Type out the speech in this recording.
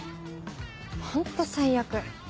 ホント最悪。